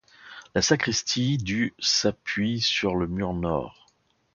La sacristie du s'appuie sur le mur nord.